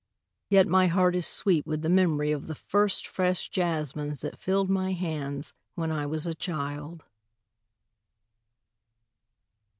Yet my heart is sweet with the memory of the first fresh jasmines that filled my hands when I was a child.